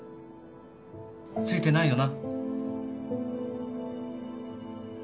ついてないよな？